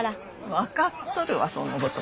分かっとるわそんなこと。